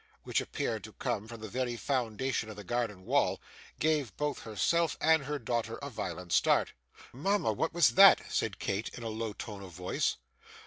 which appeared to come from the very foundation of the garden wall, gave both herself and her daughter a violent start. 'Mama! what was that?' said Kate, in a low tone of voice.